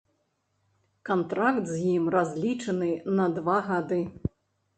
Кантракт з ім разлічаны на два гады.